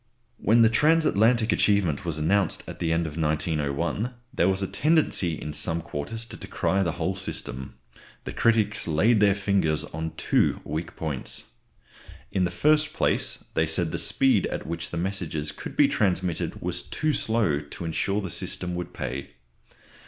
When the transatlantic achievement was announced at the end of 1901, there was a tendency in some quarters to decry the whole system. The critics laid their fingers on two weak points. In the first place, they said, the speed at which the messages could be transmitted was too slow to insure that the system would pay.